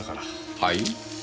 はい？